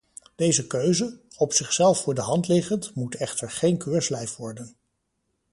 Deze keuze, op zichzelf voor de hand liggend, moet echter geen keurslijf worden.